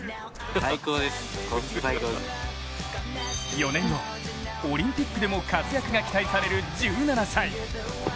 ４年後、オリンピックでも活躍が期待される１７歳。